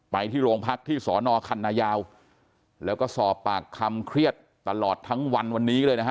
ไปที่โรงพักที่สอนอคันนายาวแล้วก็สอบปากคำเครียดตลอดทั้งวันวันนี้เลยนะฮะ